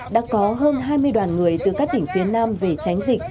đã có hơn hai mươi đoàn người từ các tỉnh phía nam về tránh dịch